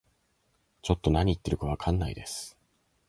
ちょっと何言ってるかわかんないです